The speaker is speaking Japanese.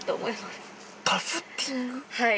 ◆はい。